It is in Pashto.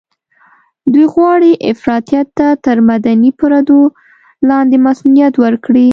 دوی غواړي افراطيت ته تر مدني پردو لاندې مصؤنيت ورکړي.